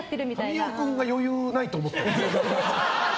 神尾君が余裕ないと思ってる。